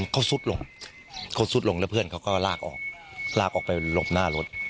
เขาซุดลงเขาซุดลงแล้วเพื่อนเขาก็ลากออกลากออกไปหลบหน้ารถ